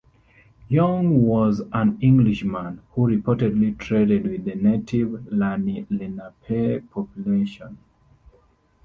Yong was an Englishman, who reportedly traded with the native Lenni Lenape population.